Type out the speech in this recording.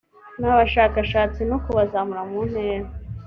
n abashakashatsi no kubazamura mu ntera